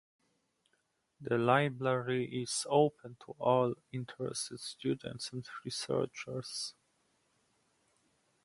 The library is open to all interested students and researchers.